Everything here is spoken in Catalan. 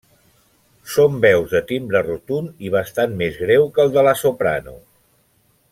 Són veus de timbre rotund i bastant més greu que el de la soprano.